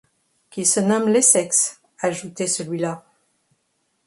Qui se nomme l’Essex », ajoutait celui-là.